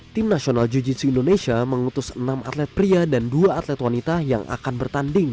tim nasional jiu jitsu indonesia mengutus enam atlet pria dan dua atlet wanita yang akan bertanding